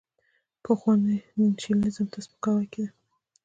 پخوا نېشنلېزم ته سپکاوی کېده.